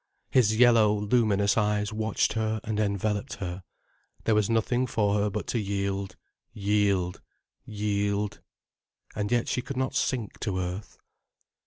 His yellow, luminous eyes watched her and enveloped her. There was nothing for her but to yield, yield, yield. And yet she could not sink to earth.